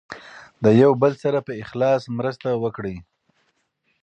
د یو بل سره په اخلاص مرسته وکړئ.